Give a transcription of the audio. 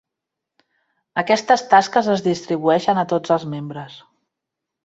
Aquestes tasques es distribueixen a tots els membres.